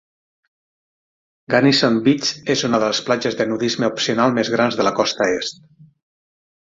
Gunnison Beach és una de les platges de nudisme opcional més grans de la costa est.